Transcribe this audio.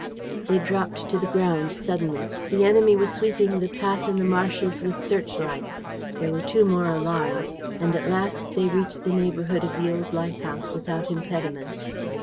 '" They dropped to the ground suddenly. The enemy was sweeping the path and the marshes with search lights. There were two more alarms; and at last they reached the neighborhood of the old lighthouse without impediment.